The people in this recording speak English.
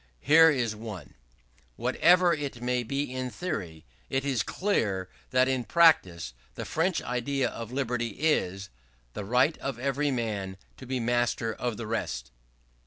Here is one: "Whatever it may be in theory, it is clear that in practice the French idea of liberty is the right of every man to be master of the rest."